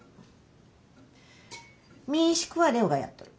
民宿は怜央がやっとる。